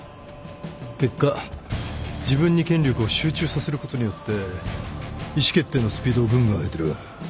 結果自分に権力を集中させることによって意思決定のスピードをぐんぐん上げてる。